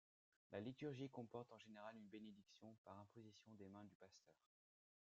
La liturgie comporte en général une bénédiction par imposition des mains du pasteur.